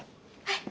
はい。